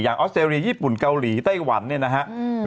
ออสเตรเลียญี่ปุ่นเกาหลีไต้หวันเนี่ยนะครับ